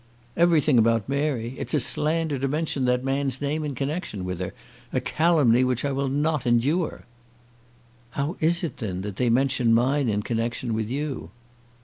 "Everything about Mary. It's a slander to mention that man's name in connection with her, a calumny which I will not endure." "How is it, then, if they mention mine in connection with you?"